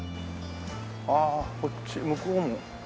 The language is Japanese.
ああこっち向こうも。